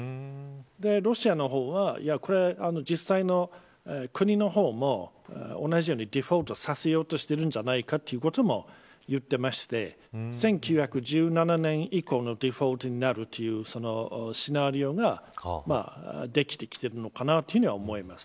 ロシアの方は実際の国の方も同じようにデフォルトさせようとしてるんじゃないかということも言っていまして１９１７年以降のデフォルトになるというシナリオができてきているのかなと思います。